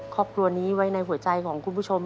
ครอบครัวนี้ไว้ในหัวใจของคุณผู้ชม